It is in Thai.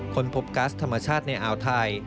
คนพบก๊าซธรรมชาติในอ่าวไทย